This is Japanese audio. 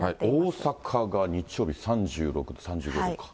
大阪が日曜日３６度、３５度か。